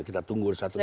kita tunggu satu dua hari